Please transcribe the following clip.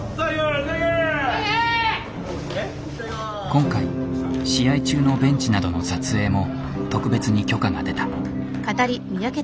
今回試合中のベンチなどの撮影も特別に許可が出た。